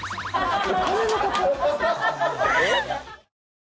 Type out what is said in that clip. えっ？